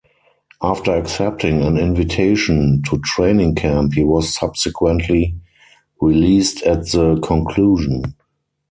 After accepting an invitation to training camp he was subsequently released at the conclusion.